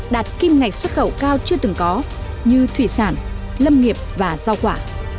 đạt kiêm ngày xuất khẩu cao chưa từng có như thủy sản lâm nghiệp và giao quả